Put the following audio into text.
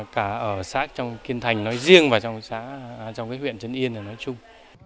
cả ở xã kiên thành nói riêng và trong huyện trấn yên nói chung